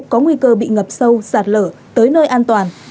có nguy cơ bị ngập sâu sạt lở tới nơi an toàn